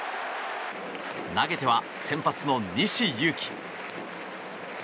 投げては先発の西勇輝。